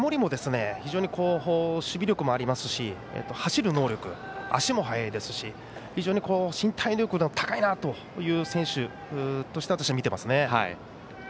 非常に守備力もありますし走る能力、足も速いですし非常に身体能力が高いなという選手として私は見ていますね。